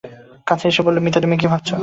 কাছে এসে বললে, মিতা, তুমি কি ভাবছ।